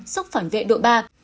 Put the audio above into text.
sốc phản vệ đội ba